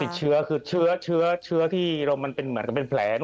เชื้อที่หลังมาเหมือนกับแผล